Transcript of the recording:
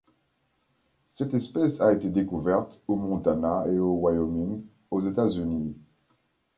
Cette espèce a été découverte au Montana et au Wyoming aux États-Unis.